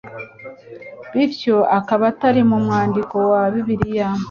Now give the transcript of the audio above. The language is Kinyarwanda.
bityo akaba atari mu mwandiko wa Bibiliya